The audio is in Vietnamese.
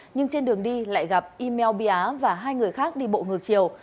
nhưng trên đường đi lại gặp email bị á và hai người khác đi bộ ngược chiều